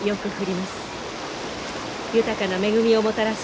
豊かな恵みをもたらす